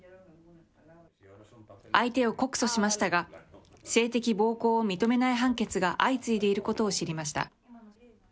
相手を告訴しましたが、性的暴行を認めない判決が相次いでいることを知りました。